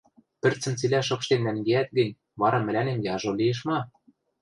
пӹрцӹм цилӓ шыпштен нӓнгеӓт гӹнь, вара мӹлӓнем яжо лиэш ма?